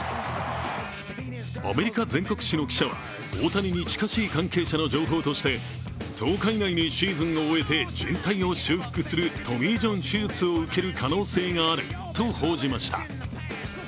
アメリカ全国紙の記者は、大谷に近しい関係者の情報として１０日以内にシーズンを終えてじん帯を修復するトミー・ジョン手術を受ける可能性があると報じました。